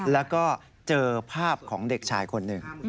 แล้วก็เจอภาพของเด็กชายคนหนึ่ง